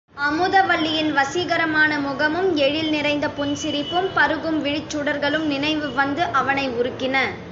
அமுதவல்லியின் வசீகரமான முகமும், எழில் நிறைந்த புன்சிரிப்பும், பருகும் விழிச்சுடர்களும் நினைவு வந்து அவனை உருக்கின.